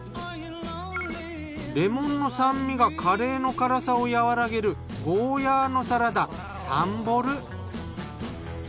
レモンの酸味がカレーの辛さを和らげるゴーヤーのサラダサンボル。